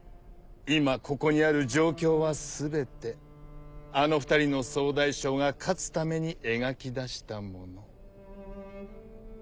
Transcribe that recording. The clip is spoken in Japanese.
今ここにある状況は全てあの２人の総大将が勝つために描き出したもの。